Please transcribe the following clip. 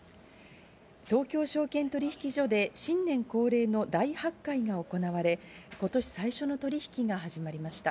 東京証券取引所で新年恒例の大発会が行われ、今年最初の取引が始まりました。